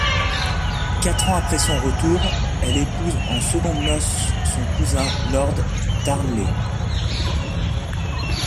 Quatre ans après son retour, elle épouse en secondes noces son cousin, Lord Darnley.